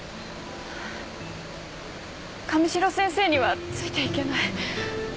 神代先生にはついていけない。